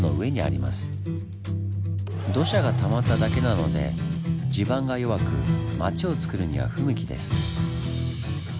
土砂がたまっただけなので地盤が弱く町をつくるには不向きです。